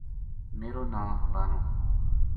میرو ناں بانو